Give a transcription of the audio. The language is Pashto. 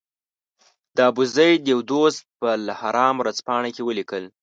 د ابوزید یو دوست په الاهرام ورځپاڼه کې ولیکل.